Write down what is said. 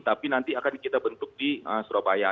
tapi nanti akan kita bentuk di surabaya